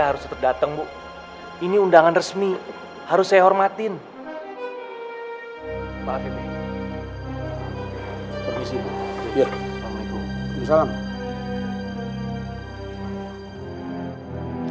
harus terdatang bu ini undangan resmi harus saya hormatin maafin permisi bu